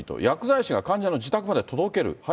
薬剤師が患者の自宅まで届ける。